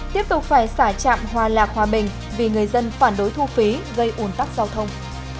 tiếp tục phải xả trạm hòa lạc hòa bình vì người dân phản đối thu phí gây ủn tắc giao thông